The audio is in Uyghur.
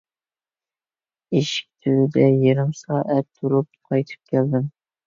ئىشىك تۈۋىدە يېرىم سائەت تۇرۇپ قايتىپ كەلدىم.